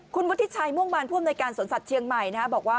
คุณวุฒิชัยม่วงมารผู้อำนวยการสวนสัตว์เชียงใหม่บอกว่า